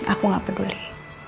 aku gak peduli